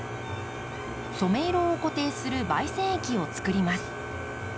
染め色を固定する媒染液をつくります。